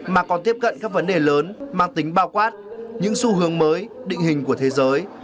mà còn tiếp cận các vấn đề lớn mang tính bao quát những xu hướng mới định hình của thế giới